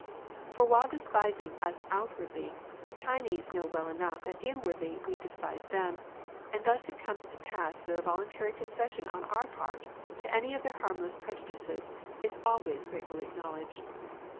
For while despising us outwardly, the Chinese know well enough that inwardly we despise them, and thus it comes to pass that a voluntary concession on our part to any of their harmless prejudices is always gratefully acknowledged.